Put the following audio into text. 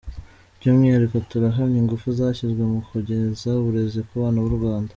By’umwihariko turahamya ingufu zashyizwe mu kugeza uburezi ku bana b’u Rwanda.